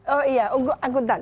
oh iya akuntan